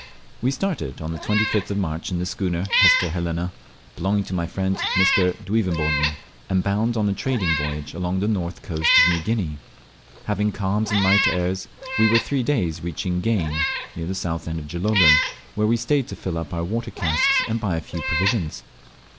We started on the 25th of March in the schooner Hester Helena, belonging to my friend Mr. Duivenboden, and bound on a trading voyage along the north coast of New Guinea. Having calms and light airs, we were three days reaching Gane, near the south end of Gilolo, where we stayed to fill up our water casks and buy a few provisions.